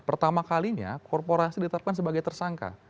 pertama kalinya korporasi ditetapkan sebagai tersangka